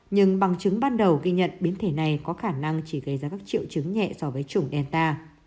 nhưng bằng chứng ban đầu ghi nhận biến thể này có khả năng chỉ gây ra các triệu chứng nhẹ so với chủng delta